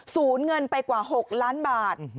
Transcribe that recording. เงินไปกว่า๖ล้านบาท